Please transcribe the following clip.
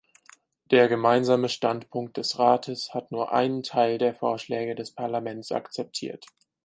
Der Gemeinsame Standpunkt des Rates hat nur einen Teil der Vorschläge des Parlaments akzeptiert.